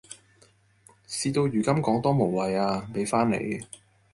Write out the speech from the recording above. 事到如今講多無謂呀，畀返你